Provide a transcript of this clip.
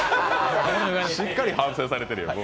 しっかり反省されてるやん。